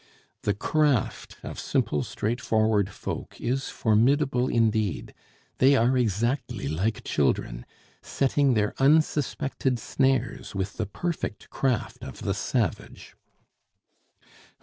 The craft of simple, straightforward folk is formidable indeed; they are exactly like children, setting their unsuspected snares with the perfect craft of the savage.